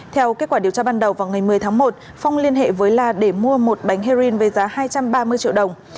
theo kết quả điều tra ban đầu vào ngày một mươi tháng một phong liên hệ với la để mua một bánh heroin với giá hai trăm ba mươi triệu đồng